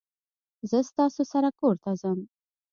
زه ستاسو سره کورته ځم